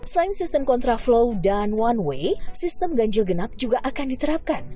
selain sistem kontraflow dan one way sistem ganjil genap juga akan diterapkan